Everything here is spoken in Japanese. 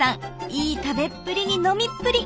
いい食べっぷりに飲みっぷり！